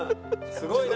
すごいな。